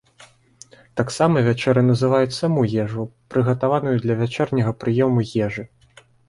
Таксама вячэрай называюць саму ежу, прыгатаваную для вячэрняга прыёму ежы.